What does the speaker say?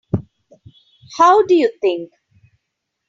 How do you think?